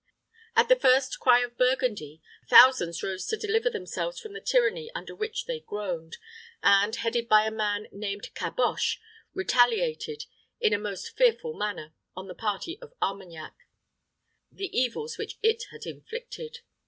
At the first cry of Burgundy, thousands rose to deliver themselves from the tyranny under which they groaned, and, headed by a man named Caboche, retaliated, in a most fearful manner, on the party of Armagnac, the evils which it had inflicted.